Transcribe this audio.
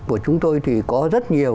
của chúng tôi thì có rất nhiều